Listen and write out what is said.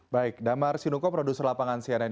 baik damar sinuko produser lapangan cnn